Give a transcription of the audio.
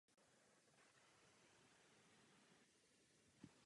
Ve třetím tisíciletí obě solné pánve opět zahájily výrobu.